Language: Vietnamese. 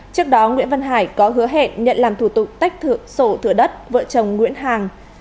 trước đó nguyễn văn hải có hứa hẹn nhận làm thủ tục tách sổ thửa đất vợ chồng nguyễn hàng